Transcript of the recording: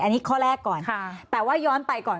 อันนี้ข้อแรกก่อนแต่ว่าย้อนไปก่อน